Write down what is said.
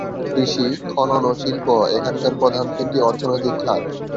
কৃষি, খনন ও শিল্প এখানকার প্রধান তিনটি অর্থনৈতিক খাত।